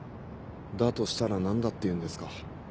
だとしたら何だっていうんですか？